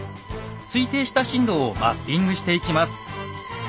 推定した震度をマッピングしていきます。